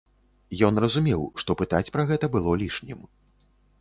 Ён разумеў, што пытаць пра гэта было лішнім.